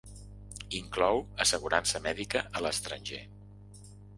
Inclou assegurança mèdica a l'estranger.